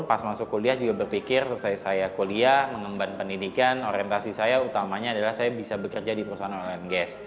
pas masuk kuliah juga berpikir selesai saya kuliah mengemban pendidikan orientasi saya utamanya adalah saya bisa bekerja di perusahaan online gas